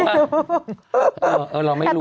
เราไม่รู้